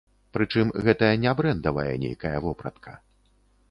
Прычым гэта не брэндавая нейкая вопратка.